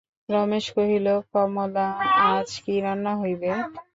রমেশ কহিল, কমলা, আজ কী রান্না হইবে?